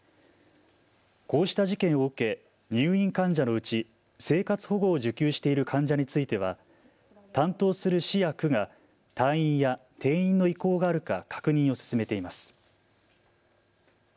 こうした事件を受け入院患者のうち生活保護を受給している患者については担当する市や区が退院や転院の意向があるか確認を進めています。